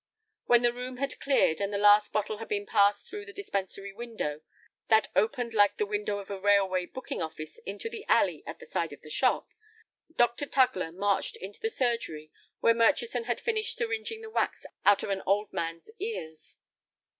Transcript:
When the room had cleared, and the last bottle had been passed through the dispensary window, that opened like the window of a railway booking office into the alley at the side of the shop, Dr. Tugler marched into the surgery where Murchison had finished syringing the wax out of an old man's ears.